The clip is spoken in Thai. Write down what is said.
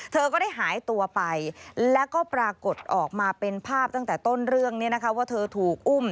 เธอก็ได้หายตัวไปแล้วก็ปรากฏออกมาเป็นภาพตั้งแต่ต้นเรื่องนี้นะคะว่าเธอถูกอุ้ม